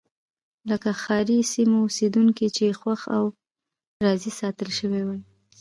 لکه ښاري سیمو اوسېدونکي چې خوښ او راضي ساتل شوي وای.